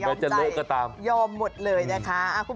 ยอมใจยอมหมดเลยนะคะถึงแม้จะเหลือก็ตาม